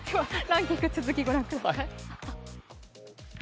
ランキング続けます。